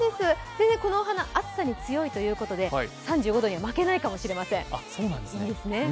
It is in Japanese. このお花、暑さに強いということで３５度に負けないかもしれません、いいですね。